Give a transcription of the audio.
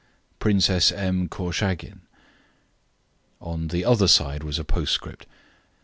Princess M. Korchagin. On the other side was a postscript.